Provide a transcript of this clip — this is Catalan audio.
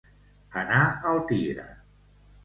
Anar al tigre.